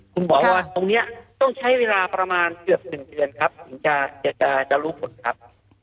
คุณหมอว่าตรงนี้ต้องใช้เวลาประมาณเกือบ๑เดือนครับถึงจะรู้ผลครับ